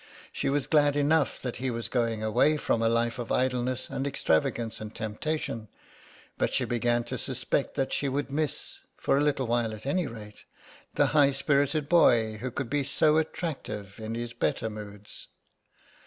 She was glad enough that he was going away from a life of idleness and extravagance and temptation, but she began to suspect that she would miss, for a little while at any rate, the high spirited boy who could be so attractive in his better moods.